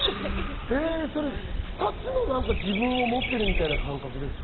２つの自分を持ってるみたいな感覚ですか？